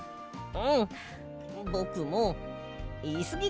うん！